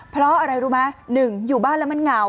เพราะอะไรรู้ไหม๑อยู่บ้านแล้วมันเหงา